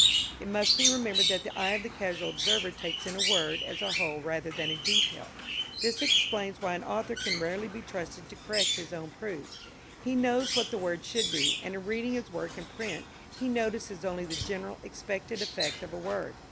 It must be remembered that the eye of the casual observer takes in a word as a whole rather than in detail. This explains why an author can rarely be trusted to correct his own proofs. He knows what the word should be, and in reading his work in print he notices only the general expected effect of a word.